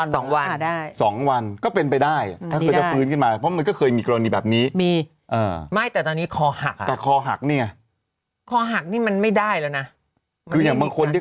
ถ้าเกิด๔๘๔๙ชั่วโมงก็มา๒วัน